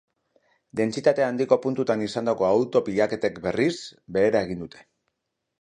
Dentsitate handiko puntutan izandako auto-pilaketek, berriz, behera egin dute.